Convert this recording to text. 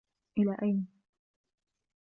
إلى أين؟